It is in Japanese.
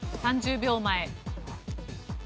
３０秒前。